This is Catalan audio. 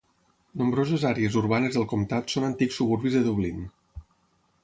Nombroses àrees urbanes del comtat són antics suburbis de Dublín.